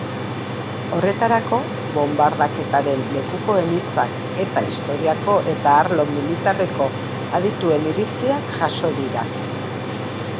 Horretarako bonbardaketaren lekukoen hitzak eta historiako eta arlo militarreko adituen iritziak jaso dira.